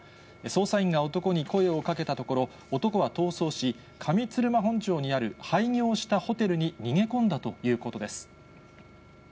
捜査員が男に声をかけたところ、男は逃走し、上鶴間本町にある廃業したホテルに逃げ込んだということです。